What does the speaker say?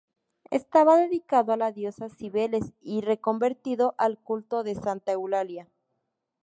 Estaba dedicado a la diosa Cibeles y reconvertido al culto de Santa Eulalia.